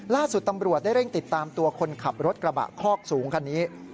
ล่าสุดตำรวจได้เร่งติดตามตัวคนขับรถกระบะคอกสูงคันนี้